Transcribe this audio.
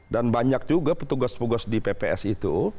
dan banyak juga petugas petugas di pps itu